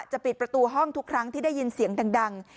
ปิดประตูห้องทุกครั้งที่ได้ยินเสียงดัง